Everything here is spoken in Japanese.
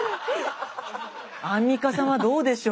アンミカさんはどうでしょう？